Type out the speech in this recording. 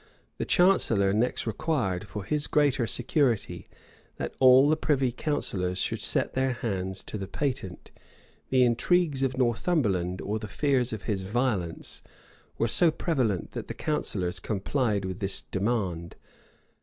The chancellor next required, for his greater security, that all the privy counsellors should set their hands to the patent: the intrigues of Northumberland, or the fears of his violence, were so prevalent that the counsellors complied with this demand.